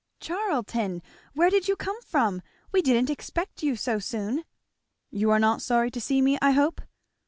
"Charlton! Where did you come from? We didn't expect you so soon." "You are not sorry to see me, I hope?"